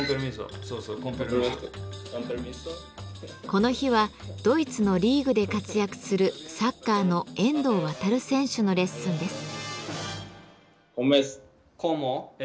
この日はドイツのリーグで活躍するサッカーの遠藤航選手のレッスンです。